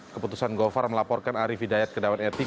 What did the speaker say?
keputusan govar melaporkan arif hidayat kedewan etik